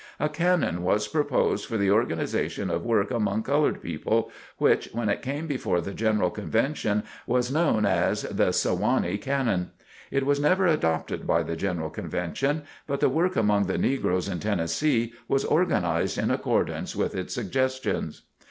A canon was proposed for the organization of work among colored people, which, when it came before the General Convention, was known as "the Sewanee Canon." It was never adopted by the General Convention but the work among the negroes in Tennessee was organized in accordance with its suggestions.